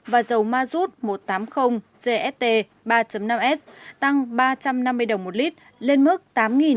và dầu ma rút một trăm tám mươi gst ba năm s tăng ba trăm năm mươi đồng một lít lên mức tám bảy trăm linh đồng một lít